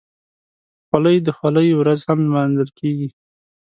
خولۍ د خولۍ ورځ هم لمانځل کېږي.